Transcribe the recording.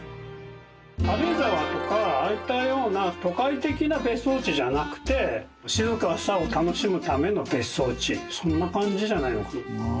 軽井沢とかああいったような都会的な別荘地じゃなくて静かさを楽しむための別荘地そんな感じじゃないのかな。